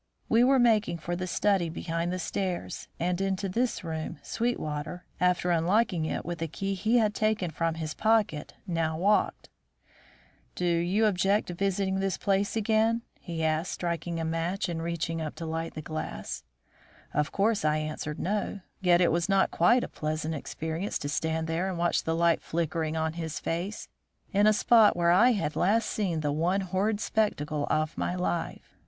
We were making for the study behind the stairs, and into this room Sweetwater, after unlocking it with a key he had taken from his pocket, now walked: "Do you object to visiting this place again?" he asked, striking a match and reaching up to light the gas. Of course I answered no, yet it was not quite a pleasant experience to stand there and watch the light flickering on his face, in a spot where I had last seen the one horrid spectacle of my life.